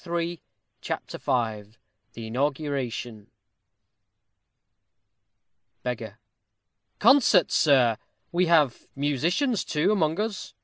Ha, ha!" CHAPTER V THE INAUGURATION Beggar. Concert, sir! we have musicians, too, among us.